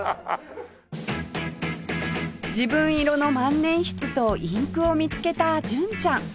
自分色の万年筆とインクを見つけた純ちゃん